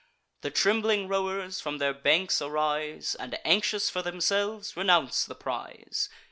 The trembling rowers from their banks arise, And, anxious for themselves, renounce the prize.